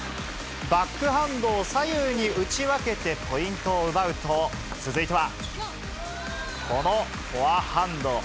バックハンドを左右に打ち分けて、ポイントを奪うと、続いては、このフォアハンド。